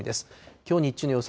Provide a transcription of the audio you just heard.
きょう日中の予想